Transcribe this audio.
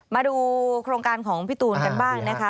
มาดูโครงการของพี่ตูนกันบ้างนะคะ